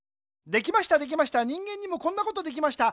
できましたできました人間にもこんなことできました。